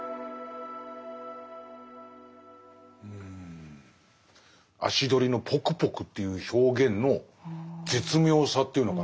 うん足取りの「ぽくぽく」という表現の絶妙さというのかな。